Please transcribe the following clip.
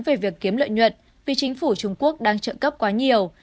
về việc kiếm lợi nhuận vì chính phủ trung quốc đang trợ cấp quá nhiều